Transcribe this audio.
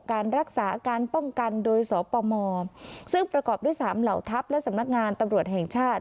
การรักษาการป้องกันโดยสปมซึ่งประกอบด้วยสามเหล่าทัพและสำนักงานตำรวจแห่งชาติ